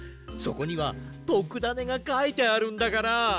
そこにはとくダネがかいてあるんだから！